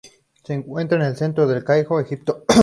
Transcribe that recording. Se encuentra en el centro de El Cairo, Egipto.